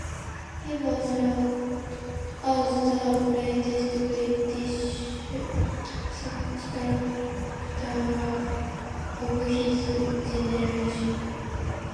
He was lauded as the greatest British sculptor of his generation.